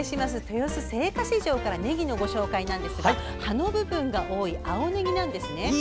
豊洲青果市場からねぎのご紹介なんですが葉の部分が多い青ねぎなんです。